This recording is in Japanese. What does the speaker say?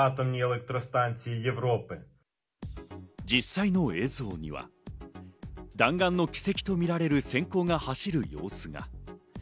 実際の映像には弾丸の軌跡とみられる閃光が走る様子が。